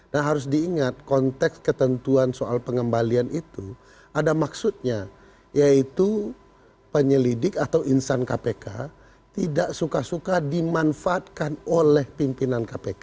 nah harus diingat konteks ketentuan soal pengembalian itu ada maksudnya yaitu penyelidik atau insan kpk tidak suka suka dimanfaatkan oleh pimpinan kpk